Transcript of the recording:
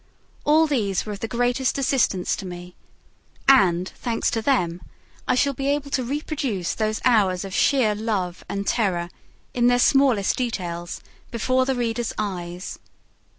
All these were of the greatest assistance to me; and, thanks to them, I shall be able to reproduce those hours of sheer love and terror, in their smallest details, before the reader's eyes.